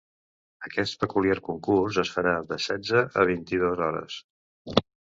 Aquest peculiar concurs es farà de setze a vint-i-dos h.